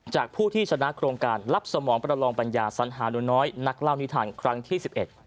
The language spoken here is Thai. จากผู้ที่ชนะโครงการรับสมองประลองปัญญาสัญหาหนูน้อยนักเล่านิทานครั้งที่๑๑